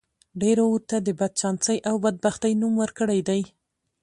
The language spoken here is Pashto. ډېرو ورته د بدچانسۍ او بدبختۍ نوم ورکړی دی